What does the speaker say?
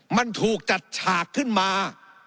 มันถูกจัดฉากขึ้นมา